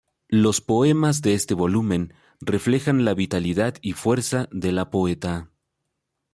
Los poemas de este volumen reflejan la vitalidad y fuerza de la poeta.